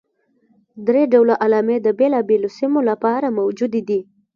درې ډوله علامې د بېلابېلو سیمو لپاره موجودې دي.